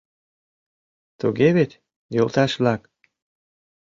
Туге вет, йолташ-влак?